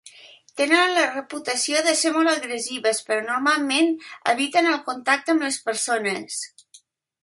Tenen la reputació de ser molt agressives però normalment eviten el contacte amb les persones.